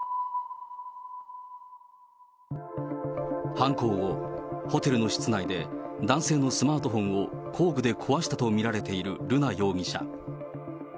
犯行後、ホテルの室内で男性のスマートフォンを工具で壊したと見られている瑠奈容疑者。